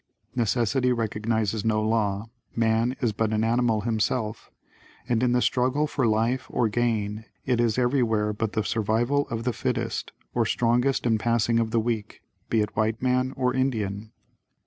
Necessity recognizes no law man is but an animal himself and in the struggle for life or gain it is everywhere but the "Survival of the Fittest" or strongest and passing of the weak, be it white man or Indian.